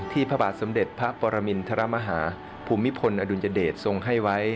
พระบาทสมเด็จพระปรมินทรมาฮาภูมิพลอดุลยเดชทรงให้ไว้